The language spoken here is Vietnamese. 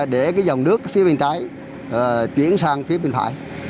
để cái dòng nước phía bên trái chuyển sang phía bên phải